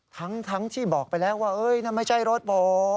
ทั้งที่บอกไปแล้วว่านั่นไม่ใช่รถผม